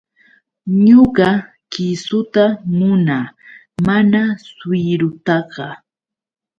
Ñuqa kiisuta munaa, mana shuyrutaqa.